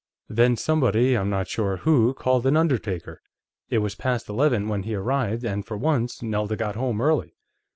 Then somebody, I'm not sure who, called an undertaker. It was past eleven when he arrived, and for once, Nelda got home early.